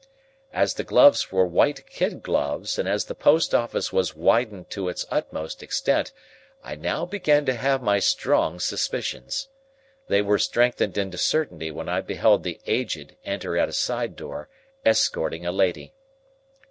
As the gloves were white kid gloves, and as the post office was widened to its utmost extent, I now began to have my strong suspicions. They were strengthened into certainty when I beheld the Aged enter at a side door, escorting a lady.